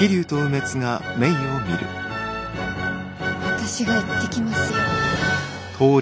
私が行ってきますよ。